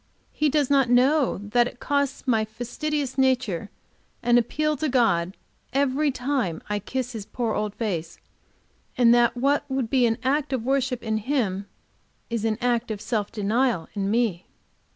He does not know that it costs my fastidious nature an appeal to God every time I kiss his poor old face, and that what would be an act of worship in him is an act of self denial in me.